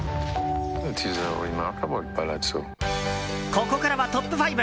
ここからはトップ５！